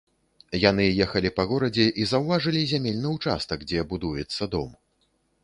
Яны ехалі па горадзе і заўважылі зямельны ўчастак, дзе будуецца дом.